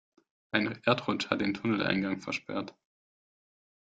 Ein Erdrutsch hat den Tunneleingang versperrt.